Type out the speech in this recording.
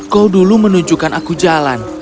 kau dulu menunjukkan aku jalan